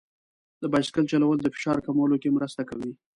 د بایسکل چلول د فشار کمولو کې مرسته کوي.